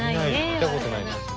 見たことないです。